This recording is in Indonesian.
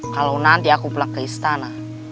kalau nanti aku belak ke istana